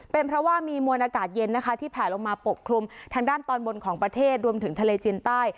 เป็นเพราะว่ามีมวลอากาศเย็นนะคะที่แผลลงมาปกคลุมทางด้านตอนบนของประเทศรวมถึงทะเลจีนใต้